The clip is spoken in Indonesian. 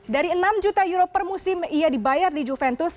dari enam juta euro per musim ia dibayar di juventus